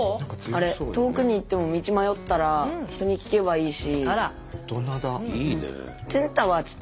あれ遠くに行っても道迷ったら人に聞けばいいし。